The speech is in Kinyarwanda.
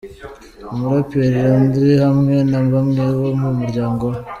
Umuraperi Landry hamwe na bamwe bo mu muryango we.